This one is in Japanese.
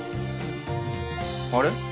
あれ？